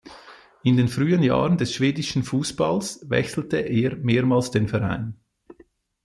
In den frühen Jahren des schwedischen Fußballs wechselte er mehrmals den Verein.